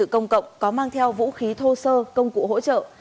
công cộng có mang theo vũ khí thô sơ công cụ hỗ trợ